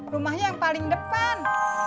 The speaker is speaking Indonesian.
rumahnya yang paling depan